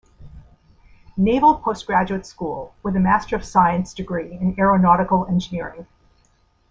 Naval Postgraduate School with a Master of Science degree in Aeronautical Engineering.